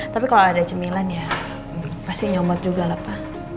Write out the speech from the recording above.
tapi kalau ada cemilan ya pasti nyomot juga lah pak